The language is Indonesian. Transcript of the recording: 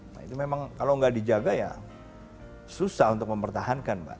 nah itu memang kalau nggak dijaga ya susah untuk mempertahankan mbak